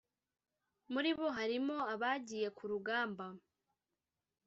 muri bo harimo abagiye kurugamba